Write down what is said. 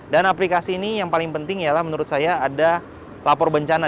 dan aplikasi ini yang paling penting adalah menurut saya ada lapor bencana